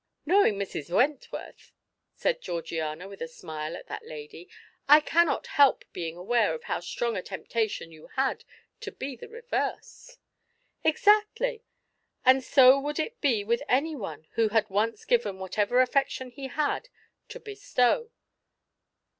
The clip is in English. "Knowing Mrs. Wentworth," said Georgiana, with a smile at that lady, "I cannot help being aware of how strong a temptation you had to be the reverse." "Exactly; and so would it be with anyone who had once given whatever affection he had to bestow.